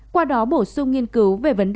qua đó bổ sung nghiên cứu về vật chất